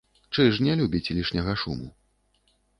Чыж не любіць лішняга шуму.